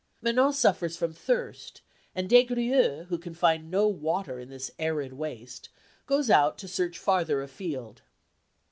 Manon suffers from thirst, and Des Grieux, who can find no water in this arid waste, goes out to search farther afield.